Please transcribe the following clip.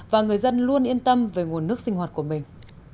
và người dân luôn yên tâm về nguồn nước sinh hoạt của mình